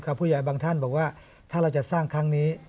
ผู้ใหญ่บางท่านบอกว่าถ้าเราจะสร้างครั้งนี้